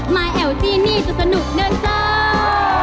มาแอวที่นี่จะสนุกเนื่องเท่า